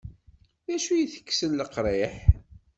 D acu itekksen leqriḥ?